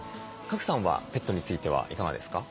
賀来さんはペットについてはいかがですか？